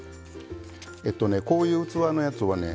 えっとねこういう器のやつはね